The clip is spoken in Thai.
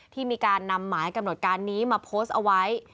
ที่มีการนำหมายกำหนดการนี้มาโพสต์เอาไว้